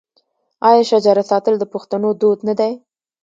آیا شجره ساتل د پښتنو دود نه دی؟